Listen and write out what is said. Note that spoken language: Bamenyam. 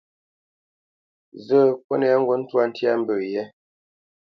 Zə́, kúnɛ ŋgǔt ntwâ ntya mbə̄ yɛ́.